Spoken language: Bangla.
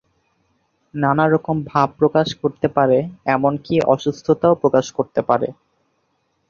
নানা রকম ভাব প্রকাশ করতে পারে, এমনকি অসুস্থতাও প্রকাশ করতে পারে।